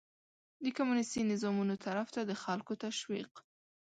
د کمونيستي نظامونو طرف ته د خلکو تشويق